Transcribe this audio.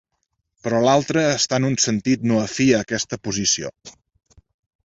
Però l’altre està en un sentit no afí a aquesta posició.